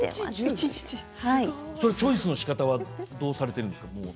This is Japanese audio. チョイスのしかたはどうされているんですか？